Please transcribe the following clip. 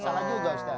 salah juga ustadz